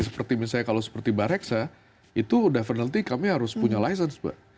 seperti misalnya kalau seperti bareksa itu definily kami harus punya license mbak